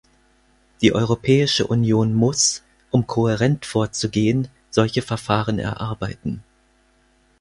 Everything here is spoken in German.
Die Europäische Union muss, um kohärent vorzugehen, solche Verfahren erarbeiten.